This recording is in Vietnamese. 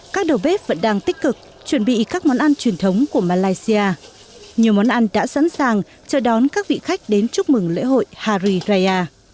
các đầu bếp vẫn đang tích cực chuẩn bị các món ăn truyền thống của malaysia nhiều món ăn đã sẵn sàng chờ đón các vị khách đến chúc mừng lễ hội hari raya